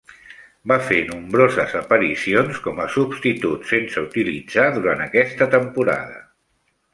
Va fer nombroses aparicions com a substitut sense utilitzar durant aquesta temporada.